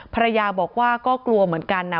ภรรยาบอกว่าก็กลัวเหมือนกันนะ